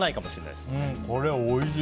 これ、おいしい。